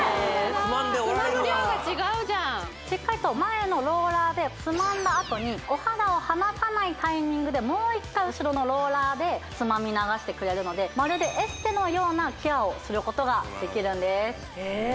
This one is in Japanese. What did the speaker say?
つまむ量が違うじゃんしっかりと前のローラーでつまんだあとにお肌を離さないタイミングでもう一回後ろのローラーでつまみ流してくれるのでまるでエステのようなケアをすることができるんです・へえ